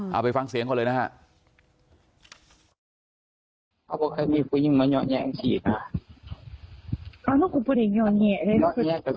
เอาไปฟังเสียงก่อนเลยนะฮะ